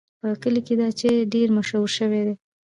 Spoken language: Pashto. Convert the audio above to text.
په کلي کې دا چای ډېر مشهور شوی دی.